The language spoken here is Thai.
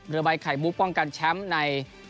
เรือใบไข่มุกป้องกันแชมป์ใน